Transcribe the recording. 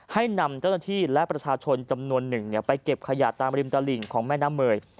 ให้นำเจ้าหน้าที่และประชาชนจำนวนหนึ่งไปเก็บขยะตามริมตลิ่งของแม่น้ำเมย